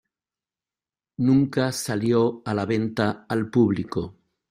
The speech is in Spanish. Nunca salió a la venta al público.